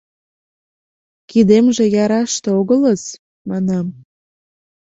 «Кидемже яраште огылыс, — манам.